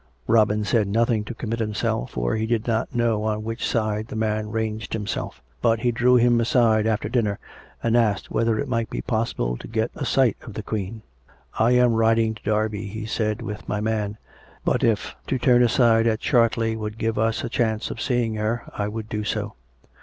Robin said nothing to commit himself, for he did not know on which side the man ranged himself; but he drew him aside after dinner, and asked whether it might be possible to get a sight of the Queen. " I am riding to Derby," he said, " with my man. But if to turn aside at Chartley would give us a chance of seeing her, I would do so.